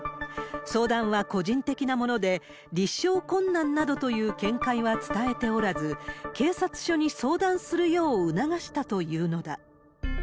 相談は個人的なもので、立証困難などという見解は伝えておらず、警察署に相談するよう促したというのだ。